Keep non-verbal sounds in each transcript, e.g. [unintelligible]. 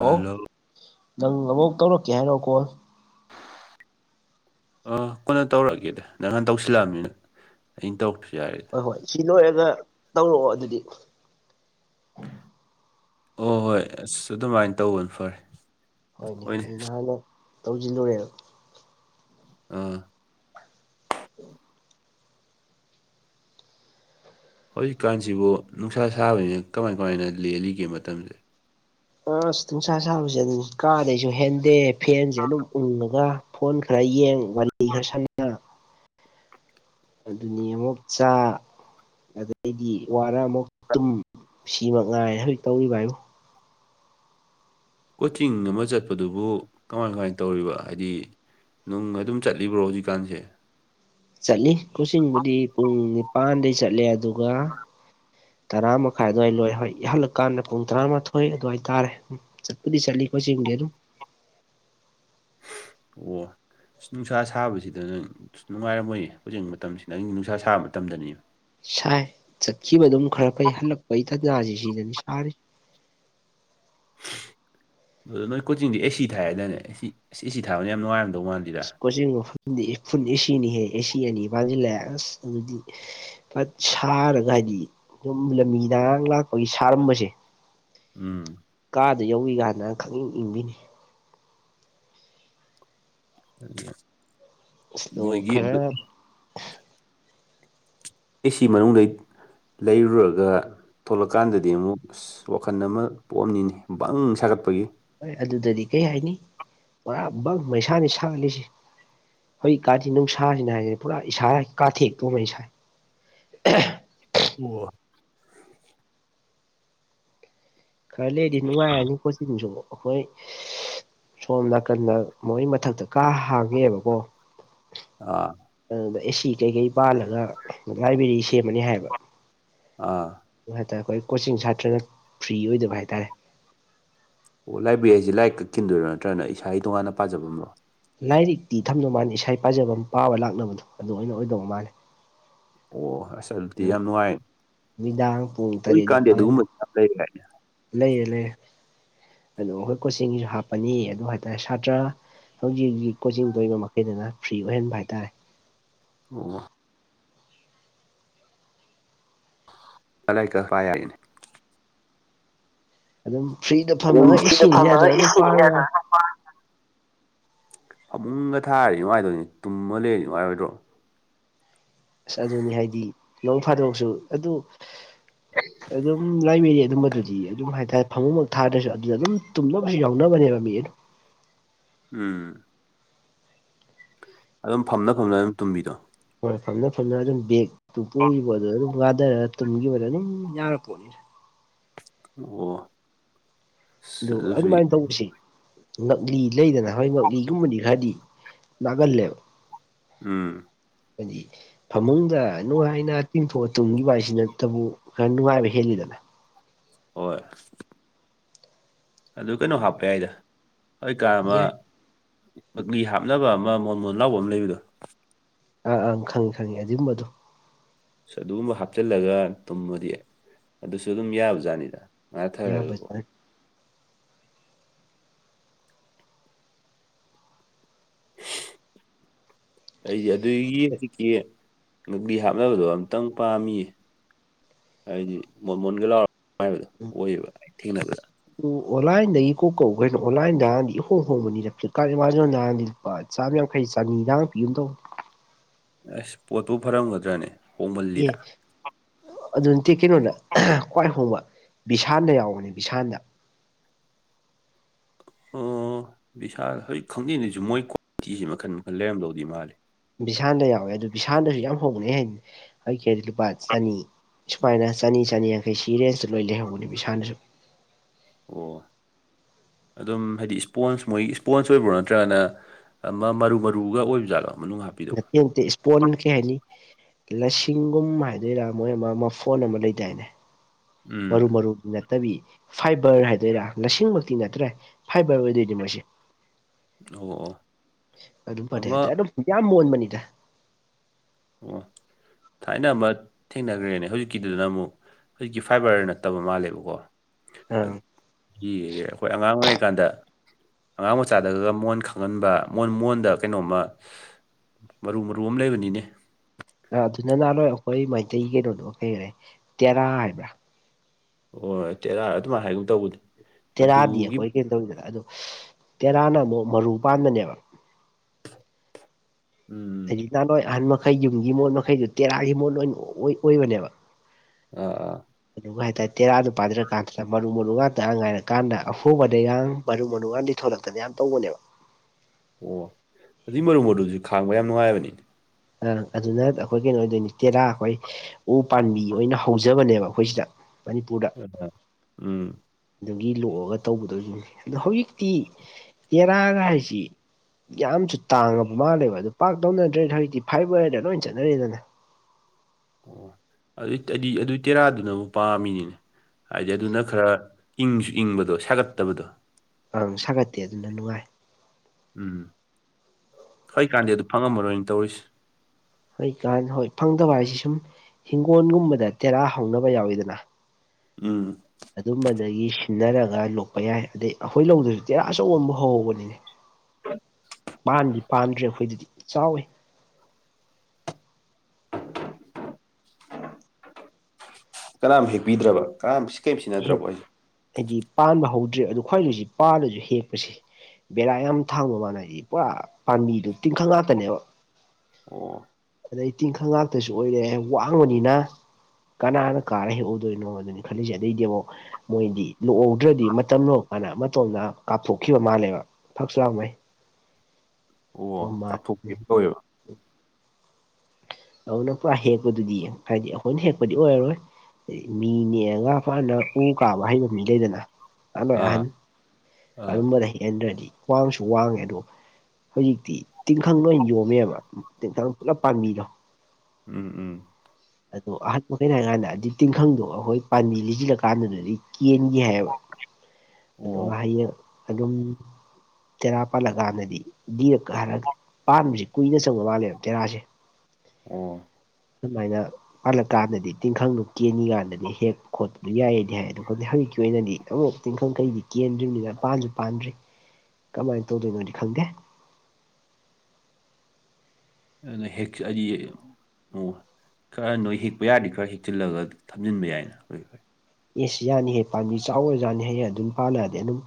Hello hello ꯅꯪ ꯑꯃꯨꯧ ꯇꯧꯔꯛꯀꯦ ꯍꯥꯏꯔꯣ ꯀꯣꯜ ꯑ ꯀꯅ ꯇꯧꯔꯛꯑꯒꯦꯗꯤ ꯅꯪꯍꯥꯟ ꯇꯧꯁꯤꯜꯂꯛꯑꯕꯅꯤꯅ ꯑꯩꯅ ꯇꯧꯔꯛꯄꯁꯨ ꯌꯥꯔꯦꯗꯤ ꯍꯣꯏ ꯍꯣꯏ ꯁꯤ ꯂꯣꯏꯔꯒ ꯇꯧꯔꯛꯑꯣ ꯑꯗꯨꯗꯤ ꯑꯣ ꯍꯣꯏ ꯑꯁ ꯑꯗꯨꯃꯥꯏꯅ ꯇꯧꯕꯅ ꯐꯔꯦ ꯍꯣꯏꯅꯦ ꯑꯩ ꯅꯍꯥꯟꯅ ꯇꯧꯁꯤꯜꯂꯨꯔꯦꯕ ꯑꯥ ꯑꯣ ꯍꯧꯖꯤꯛꯀꯥꯟꯁꯤꯕꯨ ꯅꯨꯡꯁꯥ ꯁꯥꯕꯅꯤꯅ ꯀꯃꯥꯏ ꯀꯃꯥꯏꯅ ꯂꯦꯜꯂꯤꯒꯦ ꯃꯇꯝꯁꯦ ꯑꯥꯁ ꯅꯨꯡꯁꯥ ꯁꯥꯕꯁꯦ ꯑꯗꯨꯝ ꯀꯥꯗꯩꯁꯨ ꯍꯦꯟꯗꯦ ꯐꯦꯟꯁꯦ ꯑꯗꯨꯝ ꯎꯉꯒ ꯐꯣꯟ ꯈꯔ ꯌꯦꯡ ꯋꯥꯔꯤ ꯈꯔ ꯁ ꯑꯗꯨꯅꯤ ꯑꯃꯨꯛ ꯆꯥ ꯑꯗꯩꯗꯤ ꯋꯥꯔ ꯑꯃꯨꯛ ꯇꯨꯝ ꯁꯤꯃꯛ ꯉꯥꯏ ꯍꯧꯖꯤꯛ ꯇꯧꯏꯚ ꯍꯥꯏꯕꯨ ꯀꯣꯆꯤꯡ ꯑꯃ ꯆꯠꯄꯗꯨꯕꯨ ꯀꯃꯥꯏ ꯀꯃꯥꯏ ꯇꯧꯔꯤꯕ ꯍꯥꯏꯗꯤ ꯅꯨꯡ ꯑꯗꯨꯝ ꯆꯠꯂꯤꯕ꯭ꯔꯣ ꯍꯧꯖꯤꯛꯀꯥꯟꯁꯦ ꯆꯠꯂꯤ ꯀꯆꯤꯡꯕꯨꯗꯤ ꯄꯨꯡ ꯅꯤꯄꯥꯟꯗꯩ ꯆꯠꯂꯦ ꯑꯗꯨꯒ ꯇꯔꯥ ꯃꯈꯥꯏ ꯑꯗꯨꯋꯥꯏꯗ ꯂꯣꯏ ꯍꯣꯏ ꯏꯍꯜꯂꯛ ꯀꯥꯟꯗ ꯄꯨꯡ ꯇꯔꯥꯃꯥꯊꯣꯏ ꯑꯗꯨꯋꯥꯏ ꯇꯥꯔꯦ ꯁꯠꯄꯇꯁ ꯑꯂꯤ ꯈꯣꯁꯤꯦꯡꯒꯦ ꯑꯗꯨꯣ ꯑꯣ ꯑ ꯅꯨꯡꯁꯥ ꯁꯥꯕꯁꯤꯗ ꯅꯪ ꯑ ꯅꯨꯡꯉꯥꯏꯔꯝꯃꯣꯏꯅꯦ ꯍꯧꯖꯤꯛ ꯃꯇꯝꯁꯤꯅ ꯑꯩꯪ ꯅꯨꯡꯁꯥ ꯁꯥꯕ ꯃꯇꯝꯗꯅꯤ ꯁꯥꯏ ꯆꯠꯈꯤꯕ ꯑꯗꯨꯝ ꯈꯔ ꯐꯩ ꯍꯜꯂꯛꯄꯒꯤ ꯇꯥꯟꯖꯥꯁꯤ ꯁꯤꯗꯅꯤ ꯁꯥꯔꯤ ꯑꯗꯨ ꯅꯣꯏ ꯀꯣꯆꯤꯡꯗꯤ ꯑꯦꯁꯤ ꯊꯥꯗꯅꯦ ꯑꯦ ꯑꯁ ꯑꯦꯁꯤ ꯊꯥꯕꯅ ꯌꯥꯝ ꯅꯨꯡꯉꯥꯏꯔꯝꯗꯧ ꯃꯥꯜꯅꯤ ꯀꯣꯆꯤꯡꯗꯤ ꯐ ꯑꯦꯁꯤꯅꯤ ꯍꯦ ꯑꯦꯁꯤꯅꯤ ꯖꯤ ꯂꯁ ꯑꯗꯨꯗꯤ ꯐꯠ ꯁꯥꯔꯒ ꯍꯥꯏꯗꯤ ꯑꯗꯨꯝ ꯂꯝꯕꯤꯗꯥꯡ ꯂꯥꯛꯄꯒꯤ ꯁꯥꯔꯝꯕꯁꯦ ꯎꯝ ꯀꯥꯗ ꯌꯧꯤ ꯀꯥꯟꯗ ꯈꯪꯅꯤꯡ ꯏꯪꯕꯤꯅꯤ ꯑꯗꯨ ꯑꯣ ꯃꯣꯏꯒꯤ ꯈꯔ ꯑꯦꯁꯤ ꯃꯅꯨꯡꯗ ꯂꯩꯔꯨꯔꯒ ꯊꯣꯛꯣꯂꯛꯀꯥꯟꯗꯗꯤ ꯑꯃꯨꯛ ꯑꯁ ꯋꯥꯈꯜ ꯑꯃ ꯄꯣꯛꯑꯝꯅꯦ ꯕꯪ ꯁꯥꯒꯠꯄꯒꯤ ꯍꯣꯏ ꯑꯗꯨꯗꯗꯤ ꯀꯩ ꯍꯥꯏꯅꯤ ꯄꯨꯔꯥ ꯕ ꯃꯩꯁꯥꯅꯤ ꯁꯥꯒꯠꯜꯂꯤꯁꯤ ꯍꯧꯖꯤꯛꯀꯥꯟꯁꯤ ꯅꯨꯡꯁꯥꯁꯤꯅ ꯍꯥꯏꯁꯤꯅ ꯄꯨꯔꯥ ꯏꯁꯥ ꯀꯥꯊꯦꯛꯇꯣꯕ ꯁꯥꯏ ꯑꯣ ꯈꯔ ꯂꯩꯔꯗꯤ ꯅꯨꯡꯉꯥꯏꯔꯅꯤ ꯀꯣꯆꯤꯟꯁꯨ ꯑꯩꯈꯣꯏ ꯁꯣꯝ ꯅꯥꯀꯟꯗ ꯃꯣꯏꯒꯤ ꯃꯊꯛꯇ ꯀꯥ ꯍꯥꯡꯉꯦꯕꯀꯣ ꯑ ꯑꯗꯨꯗ ꯑꯦꯁꯤ ꯀꯩꯀꯩ ꯄꯥꯜꯂꯒ ꯂꯥꯏꯕ꯭ꯔꯦꯔꯤ ꯁꯦꯝꯃꯅꯤ ꯍꯥꯏꯕ ꯑꯥ ꯑꯗꯨ ꯍꯥꯏꯇꯥꯔꯦ ꯑꯩꯈꯣꯏ ꯀꯣꯆꯤꯡ ꯁꯥꯇ꯭ꯔꯅ ꯐ꯭ꯔꯤ ꯑꯣꯏꯗꯕ ꯍꯥꯏꯇꯥꯔꯦ ꯑꯣ ꯂꯥꯏꯕ꯭ꯔꯦꯔꯤꯁ ꯂꯥꯏꯔꯤ ꯀꯛꯈꯤꯗꯣꯏꯣ ꯅꯠꯇ꯭ꯔꯅ ꯏꯁꯥꯒꯤ ꯇꯣꯉꯥꯟꯅ ꯄꯥꯖꯕ ꯑꯃꯔꯣ ꯂꯥꯏꯔꯤꯛꯇꯤ ꯊꯝꯗꯧ ꯃꯥꯅꯤ ꯏꯁꯩꯥ ꯄꯥꯖꯕ ꯄꯥꯕ ꯂꯥꯛꯅꯕꯗꯣ ꯑꯗꯨ ꯑꯣꯏꯅ ꯑꯣꯏꯗꯧꯕ ꯃꯥꯜꯅꯤ ꯑꯣ ꯑꯁ ꯑꯗꯨꯗꯤ ꯌꯥꯝ ꯅꯨꯡꯉꯥꯏ ꯅꯨꯃꯤꯗꯥꯡ ꯄꯨꯡ ꯇꯔꯦꯠꯗꯤ ꯍꯧꯖꯤꯛꯀꯥꯟꯗꯤ ꯄꯥꯅ ꯑꯗꯨꯒꯨꯝꯕꯗꯤ ꯌꯥꯝ ꯂꯩꯔꯦ ꯍꯥꯏꯅꯦ ꯂꯩꯌꯦ ꯂꯩꯌꯦ ꯑ ꯑꯩꯈꯣꯏ ꯀꯣꯆꯤꯡꯒꯤꯁꯨ ꯍꯥꯞꯄꯅꯤ ꯑꯗꯨ ꯍꯥꯏꯇꯥꯔꯦ ꯁꯥꯇ꯭ꯔ ꯍꯧꯖꯤꯛ ꯍꯧꯖꯤꯛ ꯀꯣꯆꯤꯡ ꯇꯣꯕ ꯃꯈꯩꯗꯅ ꯐ꯭ꯔꯤ ꯑꯣꯏꯍꯟꯕ ꯍꯥꯏꯇꯥꯔꯦ ꯑꯣ ꯇꯂꯏ ꯀ ꯄꯌꯥ ꯑꯗꯨꯝ ꯐꯗ ꯑꯗꯨꯣꯗ ꯐꯃ ꯑꯃꯨꯨꯡꯒ ꯊꯥꯔꯗꯤ ꯅꯨꯡꯉꯥꯏꯗꯣꯏꯅꯤ ꯇꯨꯝꯃ ꯂꯩꯔꯗꯤ ꯅꯨꯡꯉꯥꯏꯔꯣꯏꯗ꯭ꯔꯣ ꯑꯁ ꯑꯗꯨꯅꯤ ꯍꯥꯏꯗꯤ ꯂꯣꯡ ꯐꯥꯗꯣꯛꯁꯨ ꯑꯗꯨ ꯑꯗꯨꯝ ꯂꯥꯏꯃꯤꯔꯤ ꯑꯗꯨꯝꯕꯗꯨꯗꯤ ꯑꯗꯨꯝ ꯍꯥꯏꯇꯥꯔꯦ ꯐꯃꯨꯡꯃꯛ ꯊꯥꯗ꯭ꯔꯁꯨ ꯑꯗꯨꯗ ꯑꯗꯨꯝ ꯇꯨꯝꯅꯕꯁꯨ ꯌꯥꯎꯅꯕꯅꯦꯕ ꯃꯤ ꯑꯗꯨ ꯎꯝ ꯑꯗꯨꯝ ꯐꯝꯅ ꯐꯝꯅ ꯑꯗꯨꯝ ꯇꯨꯝꯕꯤꯗꯣ ꯍꯣꯏ ꯐꯝꯅ ꯐꯝꯅ ꯑꯗꯨꯝ ꯕꯦꯒꯇꯨ ꯀꯔꯤꯕ ꯑꯗꯨꯗꯣ ꯑꯗꯨꯝ ꯋꯥꯥꯊꯔ ꯇꯨꯝꯈꯤꯕꯗ ꯑꯗꯨꯝ ꯌꯥꯔꯛꯄꯣꯠꯅꯤ ꯑꯣ ꯑꯁ ꯑꯗꯨ ꯑꯗꯨꯁꯨ ꯑꯗꯨꯃꯥꯏꯅ ꯇꯧꯕꯁꯤ ꯉꯛꯂꯤ ꯂꯩꯗꯅ ꯍꯣꯏ ꯉꯛꯂꯤꯒꯨꯝꯕꯗꯤ ꯈꯔꯗꯤ ꯅꯥꯒꯜꯂꯦꯕ꯫ ꯎꯝ꯫ ꯑꯗꯤ꯫ ꯐꯃꯨꯡꯗ ꯅꯨꯡꯉꯥꯏꯅ ꯇꯤꯡꯊꯣꯛꯑ ꯇꯨꯝꯈꯤꯕ ꯍꯥꯏꯁꯤ ꯅꯠꯇꯕꯨ ꯈꯔ ꯅꯨꯡꯉꯥꯏꯕ ꯍꯦꯜꯂꯤꯗꯅ꯫ ꯍꯣꯏ꯫ ꯑꯗꯨ ꯀꯩꯅꯣ ꯍꯥꯞꯄ ꯌꯥꯏꯗ ꯍꯣꯏ ꯀꯥ ꯑꯃ꯫ ꯌꯥꯏ ꯉꯛꯂꯤ ꯍꯥꯞꯅꯕ ꯑꯃ ꯃꯣꯟ ꯃꯣꯟ ꯂꯥꯎꯕ ꯑꯃ ꯂꯩꯕꯗꯣ꯫ ꯑꯥ ꯑꯪ ꯈꯪꯉꯤ ꯈꯪꯉꯤ ꯑꯗꯨꯨꯝꯕꯗꯣ꯫ ꯑꯁ ꯑꯗꯨꯒꯨꯝꯕ ꯍꯥꯞꯆꯤꯜꯂꯒ ꯇꯨꯝꯃꯗꯤ ꯑꯗꯨꯁꯨ ꯑꯗꯨꯝ ꯌꯥꯕ ꯖꯥꯠꯅꯤꯗ ꯉꯥꯥꯛꯊꯔꯒꯀꯣ꯫ ꯌꯥꯕꯖꯥꯠꯅꯤ ꯑꯩꯁꯨ ꯑꯗꯨꯒꯤ ꯎꯝ ꯍꯧꯖꯤꯛꯀꯤ꯫ ꯉꯛꯂꯤ ꯍꯥꯞꯅꯕꯗꯣ ꯑꯝꯇꯪ ꯄꯥꯝꯃꯤ ꯍꯥꯏꯗꯤ ꯃꯣꯟꯃꯣꯟꯒ ꯂꯥꯎꯔ꯫ [unintelligible] ꯑꯣꯏꯌꯦꯕ ꯑꯩ ꯊꯦꯡꯅꯕꯗ꯫ ꯑꯣꯟꯂꯥꯏꯟꯗꯒꯤ ꯀꯣꯛ ꯀꯧꯎ ꯀꯩꯅꯣ ꯑꯣꯟꯂꯥꯏꯟꯗ ꯍꯥꯟꯗꯤ ꯏꯍꯣꯡ ꯍꯣꯡꯕꯅꯤ ꯅ ꯀꯥ ꯑꯦꯃꯥꯖꯣꯟꯗ ꯍꯥꯟꯗꯤ ꯫ ꯆꯥꯝ ꯌꯥꯡꯈꯩ ꯆꯥꯅꯤꯗꯡ ꯄꯤꯒꯨꯝ ꯇꯧꯕꯅꯤ꯫ ꯑꯁ ꯄꯣꯠꯇꯨ ꯐꯔꯝꯒꯗ꯭ꯔꯅꯦ ꯑꯦ ꯍꯣꯡꯃꯜꯂꯤꯗ꯫ ꯑꯗꯨ ꯅꯠꯇꯦ ꯀꯩꯅꯣꯗ ꯈ꯭ꯋꯥꯏ ꯍꯣꯡꯕ ꯕꯤꯚꯤꯁꯥꯟꯜꯗ ꯌꯥꯎꯕꯅꯦ ꯕꯤꯚꯤꯁꯥꯟꯗ꯫ ꯑꯣ ꯕꯤꯁꯥ ꯍꯧꯖꯤꯛ ꯈꯪꯗꯦꯗꯁꯨ ꯃꯣꯏ ꯀ꯭ꯋꯥꯂꯤꯇꯤꯁꯤ ꯃꯈꯟ ꯃꯈꯟ ꯂꯩꯔꯝꯗꯧꯗꯤ ꯃꯥꯜꯂꯤ꯫ ꯕꯤꯚꯤꯁꯥꯟꯗ ꯌꯥꯎꯋꯦ ꯑꯗꯨ ꯕꯤꯚꯤꯁꯥꯟꯗꯁꯨ ꯌꯥꯝ ꯍꯣꯡꯉꯦ꯫ ꯑꯩ ꯀꯩꯗꯤ ꯂꯨꯄꯥ ꯆꯅꯤ ꯁꯨꯃꯥꯏꯅ ꯆꯅꯤ ꯆꯅꯤ ꯌꯥꯡꯈꯩ ꯁꯤꯔꯦꯟꯖꯇ ꯂꯣꯏ ꯂꯩꯔꯝꯒꯅꯤꯕꯤꯁꯜꯗꯁꯨ ꯫ ꯑꯣ ꯑꯗꯨꯝ ꯍꯥꯏꯗꯤ ꯏꯁꯄꯣꯟꯁ ꯃꯣꯏ ꯏꯁꯄꯣꯟꯁ ꯑꯣꯏꯕ꯭ꯔꯣ ꯅꯠꯇ꯭ꯔꯒꯅ꯫ ꯑꯃ ꯃꯔꯨ ꯃꯔꯨꯒ ꯑꯣꯏꯕ ꯖꯥꯠꯂꯣ ꯃꯅꯨꯡ ꯍꯥꯞ꯫ ꯅꯠꯇꯦ ꯅꯠꯇꯦ ꯏꯁꯄꯣꯟ ꯀꯩ ꯍꯥꯏꯅꯤ꯫ ꯂꯁꯤꯡꯒꯨꯝ ꯍꯥꯏꯗꯣꯏꯔꯥ ꯃꯣꯏ ꯑꯃ ꯃꯐꯣꯟ ꯑꯃ ꯂꯩꯗꯥꯏꯅꯦ ꯎꯝ ꯃꯔꯨ ꯃꯔꯨ ꯅꯠ꯫ ꯅꯠꯇꯕꯤ ꯐꯥꯏꯕꯔ ꯍꯥꯏꯗꯣꯏꯔꯥ ꯂꯁꯤꯡꯃꯛꯇꯤ ꯅꯠꯇ꯭ꯔꯦ ꯐꯥꯏꯕꯔ ꯑꯣꯏꯗꯣꯏꯅꯤ ꯃꯣꯏꯁꯦ꯫ ꯑꯣ ꯑꯣ ꯑꯗꯨꯝ ꯐꯇꯦ ꯑꯃ ꯑꯗꯨꯝ ꯌꯥꯝ ꯃꯣꯟꯕꯅꯤꯗ꯫ ꯑꯣ꯫ ꯊꯥꯏꯅ ꯑꯃ ꯊꯦꯡꯅꯈ꯭ꯔꯦꯅꯦ ꯍꯧꯖꯤꯛꯀꯤꯗꯨꯗꯅ ꯑꯃꯨꯛ ꯍꯧꯖꯤꯛꯀꯤ ꯐꯥꯏꯕꯔ ꯅꯠꯇꯕ ꯃꯥꯜꯂꯦꯕꯀꯣ꯫ ꯑꯪ ꯑꯩꯈꯣꯏ ꯑꯉꯥꯡ ꯑꯣꯏꯔꯤꯀꯥꯟꯗ꯫ ꯑꯉꯥꯡ ꯃꯆꯥꯗꯒꯒ ꯃꯣꯟ ꯈꯪꯍꯟꯕ ꯃꯣꯟ ꯃꯣꯟꯗ ꯀꯩꯅꯣꯝꯃ꯫ ꯃꯔꯨ ꯃꯔꯨ ꯑꯃ ꯂꯩꯕꯅꯤꯅꯦ꯫ ꯑꯗꯨꯅ ꯅꯍꯥꯟꯋꯥ ꯑꯩꯈꯣꯏ ꯃꯩꯇꯩ ꯀꯩꯅꯣꯗꯣ ꯀꯩ ꯇꯦꯔꯥ ꯍꯥꯏꯕ꯭ꯔꯥ꯫ ꯑꯣꯏ ꯇꯦꯔꯥ ꯑꯗꯨꯃꯥꯏꯅ ꯍꯥꯏꯒꯨ ꯇꯧꯕꯅꯤ꯫ ꯇꯦꯔꯥꯗꯤ ꯑꯩꯈꯣꯏ ꯀꯩꯅ ꯇꯧꯔꯤꯗꯦꯅ ꯑꯗꯣ ꯇꯦꯔꯥꯅ ꯑꯃꯨꯛ ꯃꯔꯨ ꯄꯥꯟꯕꯅꯦꯕ꯫ ꯎꯝ꯫ ꯍꯥꯏꯗꯤ ꯅꯍꯟ ꯋꯥꯏ ꯑꯍꯟ ꯃꯈꯩ ꯌꯨꯝꯒꯤ ꯃꯣꯠ ꯃꯈꯩꯗꯨ ꯇꯦꯔꯥꯒꯤ ꯃꯣꯠ ꯂꯣꯏ ꯑꯣꯏꯕꯅꯦꯕ꯫ ꯑ ꯑ꯫ ꯑꯗꯨꯒ ꯍꯥꯏꯇꯥꯔꯦ ꯇꯦꯔꯥꯗꯨ ꯄꯥꯊꯔꯀꯥꯟꯗ ꯃꯔꯨ ꯃꯔꯨ ꯉꯥꯛꯇ ꯉꯥꯏꯔꯀꯥꯟꯗ ꯑꯐꯨꯕꯗꯒꯥꯡ꯫ ꯃꯔꯨ ꯃꯔꯨ ꯉꯗꯤ ꯊꯣꯛꯂꯛꯇꯅ ꯌꯥꯝꯅ ꯇꯧꯕꯅꯦꯕ꯫ ꯑꯣ ꯑꯗꯨꯏ ꯃꯔꯨ ꯃꯔꯨꯗꯨꯗꯤ ꯈꯥꯡꯕ ꯌꯥꯝ ꯅꯨꯡꯉꯥꯏꯕꯅꯤ꯫ ꯑ ꯑꯗꯨꯅ ꯑꯩꯈꯣꯏ ꯀꯩꯅꯣ ꯑꯣꯏꯗꯣꯏꯅꯤ ꯇꯦꯔꯥ ꯑꯩꯈꯣꯏ꯫ ꯎ ꯄꯥꯝꯕꯤ ꯑꯣꯏꯅ ꯍꯧꯖꯕꯅꯦꯕ ꯑꯩꯈꯣꯏ ꯁꯤꯗ ꯃꯅꯤꯄꯨꯔꯗ꯫ ꯎ ꯎꯝ꯫ ꯑꯗꯨꯒꯤ ꯂꯣꯛꯑꯒ ꯇꯧꯒꯗꯧꯁꯤꯡꯁꯅꯤ ꯑꯗꯣ ꯍꯧꯖꯤꯛꯇꯤ ꯇꯦꯔꯥꯒ ꯍꯥꯏꯁꯤ꯫ ꯌꯥꯝꯁꯨ ꯇꯥꯡꯉꯕ ꯃꯥꯜꯂꯦꯕ ꯑꯗꯨ ꯄꯥꯛ ꯇꯧꯅꯗ꯭ꯔꯦꯗ ꯍꯧꯖꯤꯛꯇꯤ ꯐꯥꯏꯕꯋꯔꯗ ꯂꯣꯏ ꯆꯠꯅꯔꯦꯗꯅ꯫ ꯑꯣ ꯑꯗꯨꯏ ꯑꯗꯨ ꯑꯗꯨꯏ ꯇꯦꯔꯥꯗꯨꯅ ꯑꯃꯨꯛ ꯄꯥꯝꯃꯤꯅꯤꯅꯦ꯫ ꯍꯥꯏꯗꯤ ꯑꯗꯨꯅ ꯈꯔ ꯏꯪꯁꯨ ꯏꯪꯕꯗꯣ ꯁꯥꯒꯠꯇꯕꯗꯣ꯫ ꯁꯥꯒꯠꯇꯦ ꯑꯗꯨꯅ ꯅꯨꯡꯉꯥꯏ꯫ ꯎꯝ ꯍꯣꯏ ꯀꯥꯟꯗꯤ ꯑꯗꯨ ꯐꯪꯉꯝꯃꯔꯣꯏꯅ ꯇꯧꯔꯤꯁꯦ꯫ ꯍꯖꯤꯀꯥꯟ ꯍꯣꯏ ꯐꯪꯗꯕ ꯍꯥꯏꯁꯤ ꯁꯨꯝ ꯍꯤꯡꯒꯣꯜꯒꯨꯝꯕꯗ ꯇꯦꯔꯥ ꯍꯧꯅꯕ ꯌꯥꯎꯋꯤꯗꯅ꯫ ꯎꯝ꯫ ꯑꯗꯨꯝꯕꯗꯒꯤ ꯁꯤꯟꯅꯔꯒ ꯂꯣꯛꯄ ꯌꯥꯏ ꯑꯗꯩ ꯑꯩꯈꯣꯏ ꯂꯧꯗꯨꯁꯨ ꯇꯦꯔꯥ ꯑꯆꯧꯕ ꯑꯃ ꯍꯧꯕꯅꯤꯅꯦ ꯄꯥꯟꯗꯤ ꯄꯥꯟꯗ꯭ꯔꯦ ꯑꯩꯈꯣꯏꯗꯨꯗꯤ ꯆꯥꯎꯋꯤ ꯀꯅꯥꯝ ꯍꯦꯛꯄꯤꯗ꯭ꯔꯕ ꯀꯅꯥꯝ ꯀꯩꯝ ꯍꯦꯛ ꯁꯤꯟꯅꯗ꯭ꯔꯕꯣ ꯍꯥꯏꯗꯤ ꯄꯥꯟꯕ ꯍꯧꯗ꯭ꯔꯦ ꯑꯗꯨ ꯈ꯭ꯋꯥꯏ ꯂꯨꯏꯁꯤ ꯄꯥꯜꯂꯁꯨ ꯍꯦꯛꯄꯁꯦ ꯕꯦꯔꯥ ꯌꯥꯝ ꯊꯥꯡꯕ ꯃꯥꯥꯟꯅꯗꯤ ꯄꯨꯔꯥ ꯄꯥꯝꯕꯤꯗꯨ ꯇꯤꯡꯈꯪ ꯉꯥꯛꯇꯅꯦꯕ ꯑꯣ ꯑꯗꯩ ꯇꯤꯡꯈꯪ ꯉꯥꯛꯇꯁꯨ ꯑꯣꯏꯔꯦ ꯋꯥꯡꯕꯅꯤꯅ ꯀꯅꯥꯅ ꯀꯥꯔ ꯍꯦꯛꯎꯗꯣꯏꯅꯣ ꯑꯗꯨꯅꯤ ꯈꯜꯂꯤꯁꯦ ꯑꯗꯩꯗꯤ ꯃꯨꯛ ꯃꯣꯏꯗꯤ ꯂꯣꯛꯍꯧꯗ꯭ꯔꯗꯤ ꯃꯇꯝ ꯂꯣ ꯃꯥꯥꯟꯅ ꯃꯇꯣꯝꯗ ꯀꯥꯞꯊꯣꯛꯈꯤꯕ ꯃꯥꯜꯂꯦꯕ ꯐꯛꯁꯨ ꯌꯥꯡꯃꯩ ꯑꯣ ꯃꯥꯜꯂꯤ ꯀꯥꯞꯊꯣꯛꯀꯦ ꯇꯧꯋꯦꯕ ꯑꯗꯨꯅ ꯄꯨꯔꯥ ꯍꯦꯛꯄꯗꯨꯗꯤ ꯍꯥꯏꯗꯤ ꯑꯩꯈꯣꯏꯅ ꯍꯦꯛꯄꯗꯤ ꯑꯣꯏꯔꯔꯣꯏ ꯃꯤ ꯅꯦꯛꯉꯒ ꯐꯅ ꯎ ꯀꯥꯕ ꯍꯩꯕ ꯃꯤ ꯂꯩꯗꯅ ꯑꯂꯣꯏ ꯑꯍꯟ ꯑꯥ ꯑꯥ ꯑꯗꯨꯝꯕꯗ ꯍꯦꯟꯗ꯭ꯔꯗꯤ ꯋꯥꯡꯁꯨ ꯋꯥꯡꯉꯦ ꯑꯗꯣ ꯍꯧꯖꯤꯛꯇꯤ ꯇꯤꯡꯈꯪ ꯂꯣꯏ ꯑꯣꯏꯅ ꯌꯣꯝꯃꯦꯕ ꯇꯤꯡꯈꯪ ꯄꯨꯂꯞ ꯄꯥꯝꯕꯤꯗꯣ ꯎꯝ ꯎꯝ ꯑꯗꯣ ꯑꯍꯥꯟ ꯃꯀꯩꯅꯣ ꯍꯥꯏꯔ ꯀꯥꯟꯗ ꯍꯥꯏꯗꯤ ꯇꯤꯡꯈꯪꯗꯣ ꯑꯩꯈꯣꯏ ꯄꯥꯝꯕꯤ ꯂꯤꯖꯤꯜꯂ ꯀꯥꯟꯗꯨꯗꯗꯤ ꯀꯦꯟꯒꯦ ꯍꯥꯏꯌꯦꯕ ꯑꯣ ꯑꯗꯨꯍꯥꯏꯅ ꯑꯗꯨꯝ ꯇꯦꯔꯥ ꯄꯥꯜꯂꯀꯥꯟꯗꯗꯤ ꯂꯤꯔꯀꯥꯟꯗ ꯄꯥꯟꯕꯁꯤ ꯀꯨꯏꯅ ꯆꯪꯕ ꯃꯥꯜꯂꯦꯕ ꯇꯦꯔꯥꯁꯦ ꯑꯣ ꯑꯗꯨꯃꯥꯏꯅ ꯄꯜꯂꯀꯥꯟꯗꯗꯤ ꯇꯤꯡꯈꯪꯗꯣ ꯀꯦꯟꯅꯤꯀꯥꯟꯗꯗꯤ ꯍꯦꯛ ꯈꯣꯠꯄꯗꯨ ꯌꯥꯏꯑꯗꯤ ꯍꯥꯏ ꯑꯗꯣ ꯈꯪꯗꯦ ꯍꯧꯖꯤꯛꯀꯤ ꯑꯣꯏꯅꯗꯤ ꯑꯃꯨꯛ ꯇꯤꯡꯈꯪ ꯀꯩꯗꯤ ꯀꯦꯟꯗ꯭ꯔꯤꯕꯅꯤꯅ ꯄꯥꯟꯁꯨ ꯄꯥꯟꯗ꯭ꯔꯤ ꯀꯃꯥꯏꯅ ꯇꯧꯗꯣꯏꯅꯣꯗꯤ ꯈꯪꯗꯦ ꯑꯗꯨꯅ ꯍꯦꯛꯀꯦ ꯍꯥꯏꯗꯤ ꯑꯣ ꯈꯔ ꯅꯣꯏ ꯍꯦꯛꯄ ꯌꯥꯔꯗꯤ ꯈꯔ ꯍꯦꯛꯆꯜꯂꯒ ꯊꯝꯖꯤꯟꯕ ꯌꯥꯏꯅ ꯍꯣꯏ ꯍꯣꯏ ꯏꯁ ꯌꯥꯅꯤꯍꯦ ꯄꯥꯝꯕꯤ ꯆꯥꯎꯒꯔꯥꯖꯥꯠꯅꯤꯍꯦ ꯑꯗꯨꯝ ꯄꯥꯅꯗꯤ ꯑꯗꯨꯝ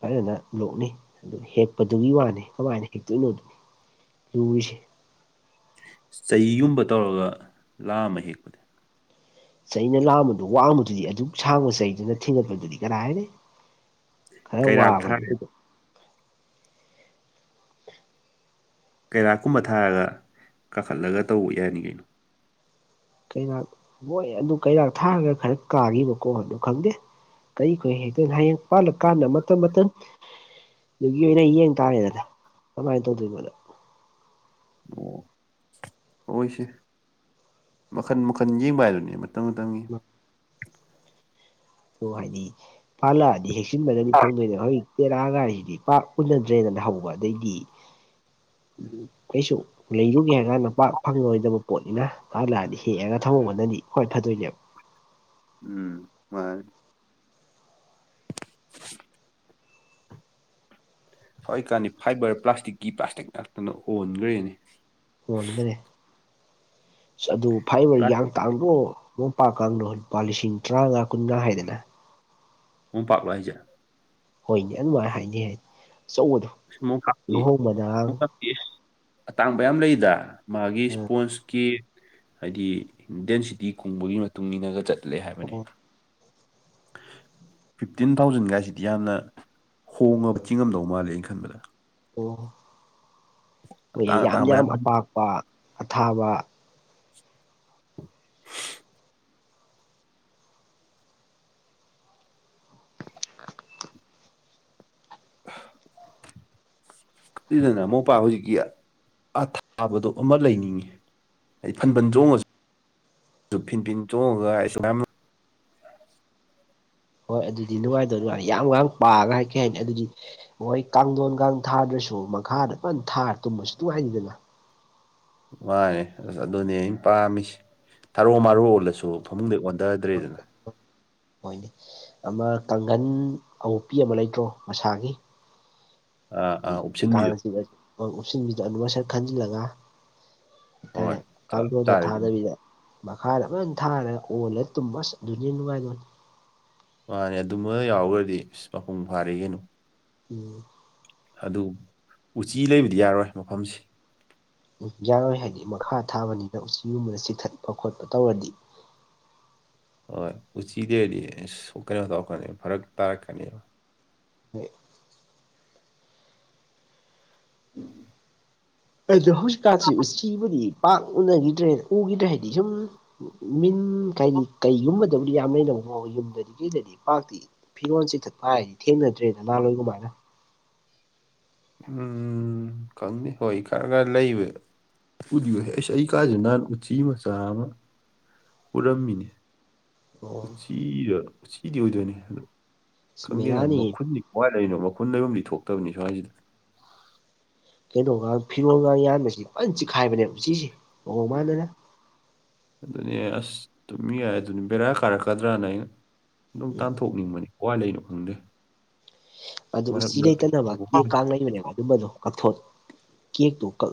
ꯐꯖꯅ ꯂꯣꯛꯅꯤ ꯑꯗꯨ ꯍꯦꯛꯄꯗꯨꯒꯤ ꯋꯥꯅꯤ ꯀꯃꯥꯏꯅ ꯍꯦꯛꯇꯣꯏꯅꯣ ꯂꯨꯏꯁꯦ ꯆꯍꯤꯒꯨꯝꯕ ꯇꯧꯔꯒ ꯂꯥꯝꯃ ꯍꯦꯛꯄꯗꯤ ꯆꯩꯅ ꯂꯥꯝꯕꯗꯣ ꯋꯥꯡꯕꯗꯨꯗꯤ ꯑꯗꯨꯛ ꯁꯥꯡꯕ ꯆꯩꯗꯨꯅ ꯊꯦꯡꯒꯠꯄꯗꯨꯗꯤ ꯀꯅꯥ ꯍꯥꯏꯔꯅꯤ ꯈꯔ ꯀꯩꯔꯥꯛ ꯋꯥꯕꯗꯤ ꯊꯥꯔ ꯀꯩꯔꯥꯛꯀꯨꯝꯕ ꯊꯥꯔꯒ ꯀꯥꯈꯠꯂꯒ ꯇꯧꯕ ꯌꯥꯅꯤ ꯀꯩꯅꯣ ꯀꯩꯔꯥꯛ ꯍꯣꯏ ꯑꯗꯨ ꯀꯩꯔꯥꯛ ꯊꯥꯔꯒ ꯈꯔ ꯀꯥꯈꯤꯕꯀꯣ ꯑꯗꯨ ꯈꯪꯗꯦ ꯀꯔꯤ ꯈꯨꯍꯦꯛ ꯍꯦꯛꯇꯣꯏꯅꯣ ꯍꯌꯦꯡ ꯄꯥꯜꯂꯀꯥꯟꯗ ꯃꯇꯝ ꯃꯇꯝ ꯑꯗꯨꯒꯤ ꯑꯣꯏꯅ ꯌꯦꯡ ꯇꯥꯔꯦꯗꯅ ꯀꯃꯥꯏꯅ ꯇꯧꯗꯣꯏꯅꯣꯗꯣ ꯑꯣ ꯍꯣꯏꯁꯦ ꯃꯈꯟ ꯃꯈꯟ ꯌꯦꯡꯕ ꯍꯥꯏꯗꯨꯅꯦ ꯃꯇꯝ ꯃꯇꯝꯒꯤ [unintelligible] ꯑꯗꯣ ꯍꯥꯏꯗꯤ ꯐꯥꯜꯂꯛꯑꯗꯤ ꯍꯦꯛꯆꯟꯕꯅꯗꯤ ꯐꯪꯗꯣꯏꯅꯦꯕ ꯍꯧꯖꯤꯛ ꯇꯦꯔꯥ ꯒꯥꯔꯤꯁꯤꯗꯤ ꯄꯥꯛ ꯎꯅꯗ꯭ꯔꯦꯗꯅ ꯍꯧꯕ ꯑꯗꯩꯗꯤ ꯀꯩꯁꯨ ꯂꯩꯔꯨꯒꯦ ꯍꯥꯏꯔ ꯀꯥꯟꯗ ꯄꯥꯛ ꯐꯪꯉꯔꯣꯏꯗꯕ ꯄꯣꯠꯅꯤꯅ ꯃꯥ ꯂꯥꯛꯑꯗꯤ ꯍꯦꯛꯑꯒ ꯊꯝꯍꯧꯕꯅꯗꯤ ꯍꯣꯏ ꯐꯗꯣꯏꯅꯦꯕ ꯎꯝ ꯃꯥꯅꯦ ꯍꯧꯖꯤꯛꯀꯥꯟꯗꯤ ꯐꯥꯏꯕꯔ ꯄ꯭ꯂꯥꯁꯇꯤꯛꯀꯤ ꯄ꯭ꯂꯥꯁꯇꯤꯛ ꯉꯥꯛꯇꯅ ꯍꯣꯟꯒ꯭ꯔꯦꯅꯦ ꯍꯣꯟꯒꯔꯦ ꯑꯗꯨ ꯐꯥꯏꯕꯔ ꯌꯥꯡ ꯄ꯭ꯂꯥꯁꯇꯤꯛ ꯇꯥꯡꯗꯔꯣ ꯃꯣꯄꯥ ꯀꯥꯡꯗꯣ ꯂꯨꯄꯥ ꯂꯤꯁꯤꯡ ꯇꯔꯥꯃꯉꯥ ꯀꯨꯟꯒꯥ ꯍꯥꯏꯗꯅ ꯃꯣꯝꯄꯥꯛꯂꯥ ꯍꯥꯏꯖꯦ ꯍꯣꯏꯅꯦ ꯑꯗꯨꯃꯥꯏꯅ ꯍꯥꯏꯅꯤ ꯑꯆꯧꯕꯗꯣ ꯑꯁ ꯃꯣꯝꯄꯥꯛꯀꯤ ꯂꯨꯍꯣꯡꯕꯗꯒ ꯃꯣꯝꯄꯥꯛꯀꯤ ꯑꯇꯥꯡꯕ ꯌꯥꯝ ꯂꯩꯗ ꯃꯥꯒꯤ ꯑꯣ ꯏꯁꯄꯣꯟꯁꯀꯤ ꯍꯥꯏꯗꯤ ꯏꯟꯗꯤꯌꯥꯟ ꯁꯤꯇꯤ ꯀꯨꯝꯕꯒꯤ ꯃꯇꯨꯡ ꯏꯟꯅꯒ ꯆꯠꯂꯦ ꯍꯥꯏꯕꯅꯤ ꯑꯣ ꯐꯤꯐꯇꯤꯟ ꯊꯥꯎꯖꯟꯒꯥꯏꯁꯤꯗꯤ ꯌꯥꯝꯅ ꯍꯣꯡꯉꯕ ꯆꯤꯡꯉꯝꯗꯧ ꯃꯥꯜꯂꯦ ꯑꯩꯅ ꯈꯟꯕꯗ ꯑꯣ ꯃꯣꯏꯁꯦ ꯑꯇꯥꯡ ꯌꯥꯝ ꯑꯇꯥꯡꯕ ꯌꯥꯝ ꯑꯄꯥꯛꯄ ꯑꯊꯥꯕ [unintelligible] ꯑꯗꯨꯗꯅ ꯑꯃꯨꯛꯄꯥ ꯍꯧꯖꯤꯛꯀꯤ ꯑꯊꯥꯕꯗꯣ ꯑꯃ ꯂꯩꯅꯤꯡꯉꯤ ꯑꯩ ꯐꯟꯄꯟ ꯆꯣꯡꯉꯁꯨ ꯑꯗꯨ ꯐꯤꯟ ꯐꯤꯟ ꯇꯣꯡꯉꯒ ꯑꯩꯁꯨ ꯍꯣꯏ ꯑꯗꯨꯗꯤ ꯅꯨꯡꯉꯥꯏꯗꯣꯏ ꯅꯨꯡꯉꯥꯏ ꯌꯥꯝ ꯉꯥꯡ ꯄꯥꯒ ꯍꯥꯏ ꯀꯩ ꯍꯥꯏꯅꯤ ꯑꯗꯨꯗꯤ ꯃꯣꯏ ꯀꯥꯡꯊꯣꯟ ꯀꯥꯡ ꯊꯥꯗ꯭ꯔꯁꯨ ꯃꯈꯥꯗ ꯐꯅ ꯊꯥꯔ ꯇꯨꯝꯕꯁꯨ ꯑꯗꯨꯝ ꯍꯥꯏꯈꯤꯗꯅ ꯃꯥꯅꯦ ꯑꯁ ꯑꯗꯨꯅꯦ ꯑꯩꯅ ꯄꯥꯝꯃꯤꯁꯦ ꯊꯔꯣ ꯃꯔꯨꯜꯂꯁꯨ ꯐꯃꯨꯡꯗꯩ ꯑꯣꯟꯊꯗ꯭ꯔꯦꯗꯅ ꯍꯣꯏꯅꯦ ꯑꯃ ꯀꯥꯡꯒꯟ ꯑꯎꯄꯤ ꯑꯃ ꯂꯩꯇ꯭ꯔꯣ ꯃꯁꯥꯒꯤ ꯑꯥ ꯑꯥ ꯎꯞꯁꯤꯟꯕꯤꯗꯣ ꯀꯥꯡꯁꯤ ꯎꯞꯁꯤꯟꯕꯤꯗꯨꯅ ꯑꯗꯨ ꯃꯁꯛ ꯈꯟꯖꯤꯜꯂꯒ ꯍꯥꯏꯇꯥꯔꯦ ꯍꯣꯏ ꯆꯞ ꯀꯥꯡꯖꯗ ꯆꯥꯔꯦ ꯑꯗꯨ ꯊꯥꯗꯕꯤꯗ ꯃꯈꯥꯗ ꯑꯃ ꯊꯥꯔꯒ ꯑꯣꯜꯂ ꯇꯨꯝꯕꯁ ꯑꯗꯨꯅꯤ ꯅꯨꯡꯉꯥꯏꯗꯣꯏꯅꯤ ꯃꯥꯅꯦ ꯑꯗꯨꯃ ꯌꯥꯎꯈ꯭ꯔꯗꯤ ꯑꯁ ꯃꯄꯨꯡ ꯐꯥꯔꯦ ꯀꯩꯅꯣ ꯎꯝ ꯑꯗꯨ ꯎꯆꯤ ꯂꯩꯕꯗꯤ ꯌꯥꯔꯣꯏ ꯃꯐꯝꯁꯦ ꯌꯥꯔꯣꯏ ꯍꯥꯏꯗꯤ ꯃꯈꯥ ꯊꯥꯕꯅꯤꯅ ꯎꯆꯒꯨꯝꯕꯗ ꯆꯤꯡꯊꯠꯄ ꯈꯣꯠꯄ ꯇꯧꯔꯗꯤ ꯍꯣꯏ ꯎꯆꯤꯗꯔꯗꯤ ꯁꯣꯛꯀꯅꯤꯕ ꯇꯧꯔꯛꯀꯅꯤ ꯐꯔꯛ ꯇꯥꯔꯛꯀꯅꯤꯕ [unintelligible] ꯑꯩꯗ ꯍꯁ ꯀꯥꯁꯤ ꯎ ꯎꯆꯁꯤꯕꯅꯤ ꯄꯥꯛ ꯎꯅꯈꯤꯗ꯭ꯔꯦ ꯎꯈꯤꯗ꯭ꯔꯦ ꯍꯥꯏꯗꯤ ꯁꯨꯝ ꯃꯤꯟ ꯀꯗꯤ ꯀꯩꯒꯨꯝꯕꯗꯕꯨꯗꯤ ꯌꯥꯝ ꯂꯩꯩꯅꯀꯣ ꯌꯨꯝꯗꯗꯤ ꯀꯩꯗꯗꯤ ꯄꯥꯛꯇꯤ ꯐꯤꯔꯣꯟꯜꯁꯤ ꯊꯛꯄ ꯍꯥꯏꯔꯗꯤ ꯊꯦꯡꯅꯗ꯭ꯔꯦꯗ ꯅꯍꯥꯋꯥꯏ ꯀꯃꯥꯏꯅ ꯎꯝ ꯈꯪꯅꯤ ꯍꯣꯏ ꯈꯔ ꯈꯔ ꯂꯩꯕ ꯎꯌꯨ ꯑꯩꯁ ꯑꯩ ꯀꯥꯥꯁꯦ ꯅꯍꯥꯟ ꯎꯆꯤ ꯃꯆꯥ ꯑꯃ ꯄꯨꯔꯝꯃꯤꯅꯦ ꯑꯣ ꯎꯆꯤꯗ ꯎꯆꯤꯗꯤ ꯑꯣꯏꯗꯣꯏꯅꯦ ꯑ ꯁꯤ ꯈꯪꯗꯦꯅ ꯕꯦꯔꯥꯅꯤ ꯃꯈꯨꯟꯗꯤ ꯀꯋꯥꯏ ꯂꯩꯔꯤꯅꯣ ꯃꯈꯨꯟ ꯂꯩꯔꯨꯝꯗꯤ ꯊꯣꯛꯇꯕꯅꯤ ꯁ꯭ꯋꯥꯏꯁꯤꯗ ꯀꯩꯅꯣꯒ ꯐꯤꯔꯣꯜꯒ ꯌꯥꯟꯕꯁꯤ ꯐꯅ ꯆꯤꯛꯈꯥꯏꯕꯅꯦꯕ ꯎꯆꯁꯤꯦ ꯑꯣꯣꯡ ꯃꯥꯥꯟꯅꯅ ꯑꯗꯨꯅꯦ ꯑꯁ ꯇꯨꯝꯃꯤ ꯌꯥꯏ ꯑꯗꯨꯅꯤ ꯕꯦꯔꯥ ꯀꯥꯔꯛꯀꯗ꯭ꯔꯅ ꯑꯩꯅ ꯎꯝ ꯅꯨꯡꯇꯥꯟꯊꯣꯛꯅꯤꯡꯕꯅꯤ ꯀ ꯂꯩꯅꯣ ꯈꯪꯗꯦ ꯑꯗꯨ ꯃꯔꯛ ꯎꯆ ꯂꯩꯇꯅꯕ ꯀꯦ ꯃꯔꯛꯇ ꯀꯥꯡ ꯂꯩꯕꯅꯦꯕ ꯌꯨꯝꯗꯣ ꯀꯛꯊꯣꯛ ꯀꯦꯛꯇꯣ ꯀꯛ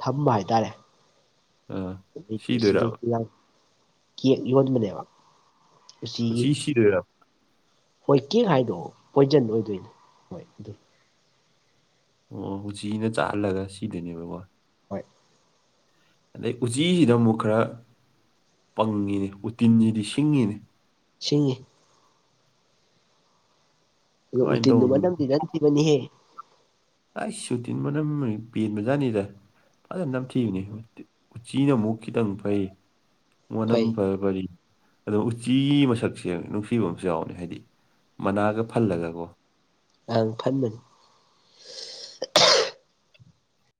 ꯊꯝꯕ ꯍꯥꯏꯇꯥꯔꯦ ꯑꯥ ꯁꯤ ꯁꯤꯗꯣꯏꯔꯕ ꯌ ꯍꯣꯖꯤꯃꯦ ꯂꯩꯕ ꯀꯨ ꯏꯁꯤꯗꯦꯔ ꯍꯣꯏ ꯀꯦꯛ ꯍꯥꯏꯗꯣ ꯄꯣꯏꯖꯟ ꯑꯣꯏꯗꯣꯏꯅꯦ ꯍꯣꯏ ꯑꯗꯨ ꯑꯣ ꯍꯧ ꯎꯆꯖꯤꯤꯅ ꯆꯥꯍꯜꯂꯒ ꯁꯤꯗꯅꯦꯕꯀꯣ ꯍꯣꯏ ꯑꯗꯩ ꯎꯆꯤꯁꯤꯗ ꯑꯃꯨꯛ ꯈꯔ ꯄꯪꯉꯤꯅꯦ ꯎꯇꯤꯟꯁꯤꯗꯤ ꯁꯤꯡꯉꯤꯅꯦ ꯁꯤꯡꯉꯤ ꯑꯣ ꯀꯃꯥꯏꯅ ꯎꯇꯤꯟꯗꯨ ꯇꯧꯕꯅꯣ ꯃꯇꯝꯝꯗꯤ ꯅꯟ ꯊꯤꯕꯅꯤꯍꯦ ꯑꯩ ꯁꯨꯇꯤꯟ ꯃꯅꯝ ꯄꯦꯟꯕꯖꯥꯠꯅꯤꯗꯦ ꯐꯖꯅ ꯅꯝꯊꯤꯕꯅꯤ ꯎꯆꯤꯅ ꯑꯃꯨꯛ ꯈꯤꯇꯪ ꯐꯩ ꯃꯅ ꯐꯩ ꯐ ꯑꯗꯨꯝ ꯎꯆꯤ ꯃꯁꯛ ꯁꯦꯡ ꯅꯨꯡꯁꯤꯕ ꯑꯃꯁꯨ ꯌꯥꯎꯅꯤ ꯍꯥꯏꯗꯤ ꯃꯅꯥꯒ ꯐꯜꯂꯒꯀꯣ ꯑꯪ ꯐꯝꯅꯤ